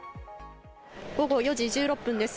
午後４時１６分です。